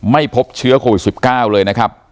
ไม่พบเชื้อโควิด๑๙เลยนะครับ